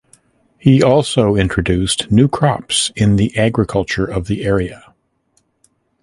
He also introduced new crops in the agriculture of the area.